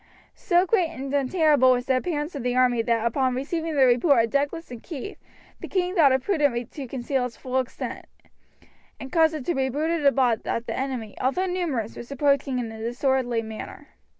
So grand and terrible was the appearance of the army that upon receiving the report of Douglas and Keith the king thought it prudent to conceal its full extent, and caused it to be bruited abroad that the enemy, although numerous, was approaching in a disorderly manner.